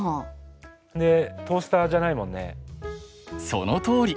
そのとおり！